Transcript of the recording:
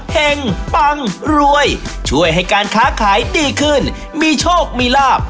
ปังรวยช่วยให้การค้าขายดีขึ้นมีโชคมีลาบ